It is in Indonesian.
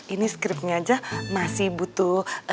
ini scriptnya aja masih butuh